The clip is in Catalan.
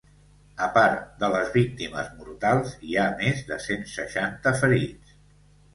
A part de les víctimes mortals, hi ha més de cent seixanta ferits.